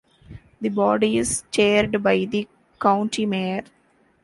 The body is chaired by the County Mayor.